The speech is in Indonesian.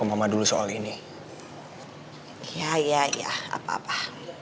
ma mau gue kasih tau